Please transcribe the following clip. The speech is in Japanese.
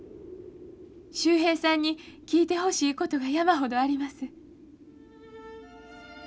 秀平さんに聞いてほしいことが山ほどあります」。